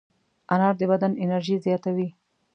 انار د بدن انرژي زیاتوي.